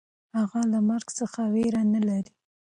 هغه له مرګ څخه وېره نهلري.